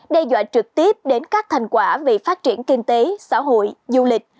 đe dọa trực tiếp đến các thành quả về phát triển kinh tế xã hội du lịch